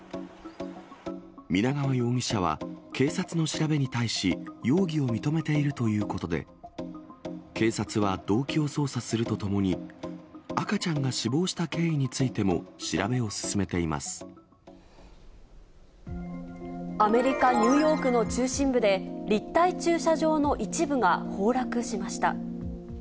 皆川容疑者は警察の調べに対し、容疑を認めているということで、警察は動機を捜査するとともに、赤ちゃんが死亡した経緯についてアメリカ・ニューヨークの中心部で、立体駐車場の一部が崩落しました。